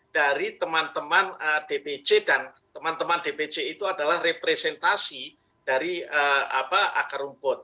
dari teman teman dpc dan teman teman dpc itu adalah representasi dari akar rumput